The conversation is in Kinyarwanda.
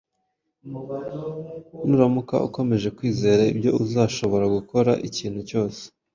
Nuramuka ukomeje kwizera ibyo, uzashobora gukora ikintu cyose